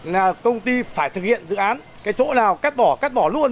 là công ty phải thực hiện dự án cái chỗ nào cắt bỏ cắt bỏ luôn